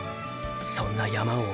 そんな「山王」